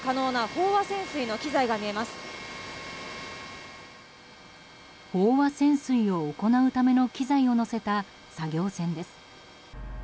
飽和潜水を行うための機材を載せた作業船です。